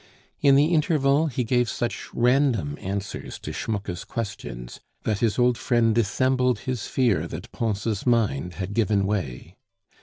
In the interval he gave such random answers to Schmucke's questions, that his old friend dissembled his fear that Pons' mind had given way.